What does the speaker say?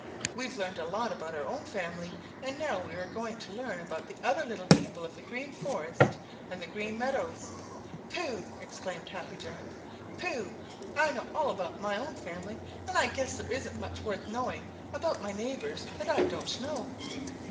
We've learned a lot about our own family and now we are going to learn about the other little people of the Green Forest and the Green Meadows." "Pooh!" exclaimed Happy Jack. "Pooh! I know all about my own family, and I guess there isn't much worth knowing about my neighbors that I don't know."